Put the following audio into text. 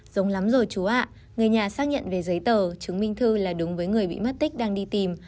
giống lắm rồi chú hạ người nhà xác nhận về giấy tờ chứng minh thư là đúng với người bị mất tích đang đi tìm